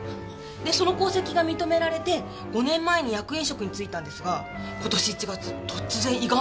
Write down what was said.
でその功績が認められて５年前に役員職に就いたんですが今年１月突然依願退職してるんです。